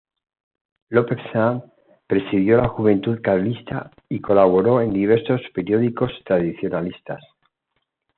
López Sanz presidió la Juventud Carlista y colaboró en diversos periódicos tradicionalistas.